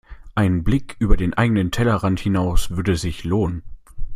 Ein Blick über den eigenen Tellerrand hinaus würde sich lohnen.